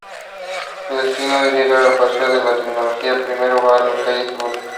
Su destino es llegar al Paseo del Tecnológico, primero va a la calle Seguro.